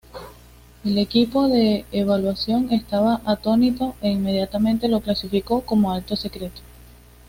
El equipo de evaluación estaba atónito e inmediatamente lo clasificó como "alto secreto".